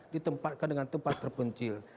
ditempatkan dengan tempat terpencil